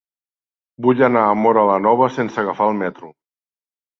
Vull anar a Móra la Nova sense agafar el metro.